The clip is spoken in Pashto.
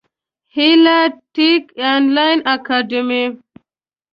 هیله ټېک انلاین اکاډمي